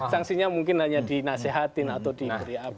sanksinya mungkin hanya dinasehatin atau diberi apa